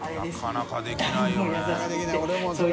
なかなかできない。